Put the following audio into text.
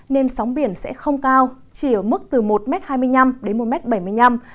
nên sóng biển sẽ không cao chỉ ở mức từ một hai mươi năm đến một bảy mươi năm m